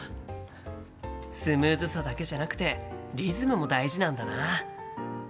スムーズさだけじゃなくてリズムも大事なんだな。